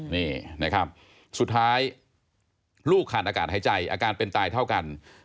นี่นะครับสุดท้ายลูกขาดอากาศหายใจอาการเป็นตายเท่ากัน